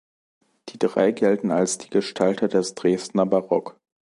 Die drei gelten als die Gestalter des Dresdner Barock.